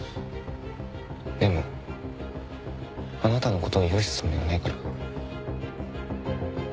でもあなたの事を許すつもりはないから。